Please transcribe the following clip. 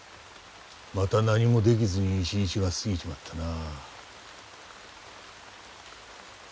また何もできずに一日が過ぎちまったな。